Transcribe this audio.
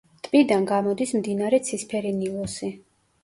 ტბიდან გამოდის მდინარე ცისფერი ნილოსი.